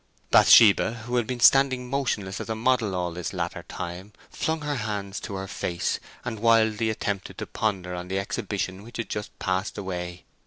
Bathsheba, who had been standing motionless as a model all this latter time, flung her hands to her face, and wildly attempted to ponder on the exhibition which had just passed away.